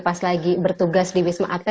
pas lagi bertugas di wisma atlet